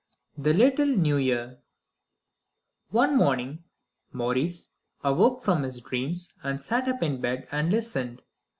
The Little New Year One cold morning Maurice awoke from his dreams and sat up in bed and listened.